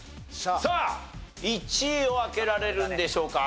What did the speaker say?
さあ１位を開けられるんでしょうか？